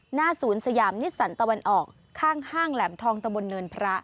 หน้าศูนย์สยามนิสสันตะวันออกข้างห้างแหลมทองตะบนเนินพระ